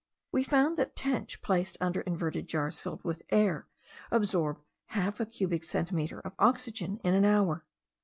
We found that tench placed under inverted jars filled with air, absorb half a cubic centimetre of oxygen in an hour.